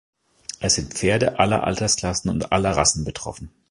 Es sind Pferde aller Altersklassen und aller Rassen betroffen.